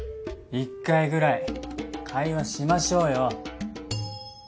１回ぐらい会話しましょうよ。